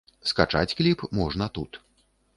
Скачаць кліп можна тут.